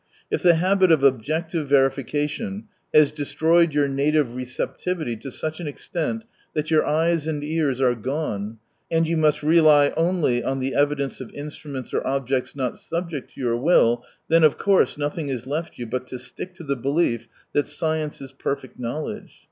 If the habit of " objective verification " has destroyed your native receptivity to such an extent that your eyes and ears are gone, and you must rely only on the evidence of instruments or objects not subject to your will, then, of course, nothing is left you but to stick to the belief that science is perfect knowledge.